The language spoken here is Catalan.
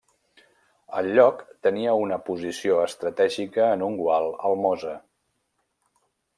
El lloc tenia una posició estratègica en un gual al Mosa.